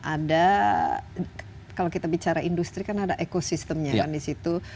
ada kalau kita bicara industri kan ada ekosistemnya kan di situ